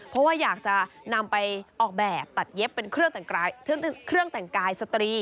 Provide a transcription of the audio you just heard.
เพราะว่าอยากจะนำไปออกแบบตัดเย็บเป็นเครื่องแต่งกายสตรี